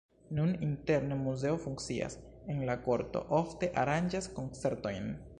Nun interne muzeo funkcias, en la korto ofte aranĝas koncertojn.